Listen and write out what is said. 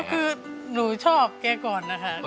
ก็คือหนูชอบแก่ก่อนค่ะ